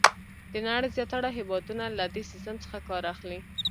د نړۍ زیاتره هېوادونه له دې سیسټم څخه کار اخلي.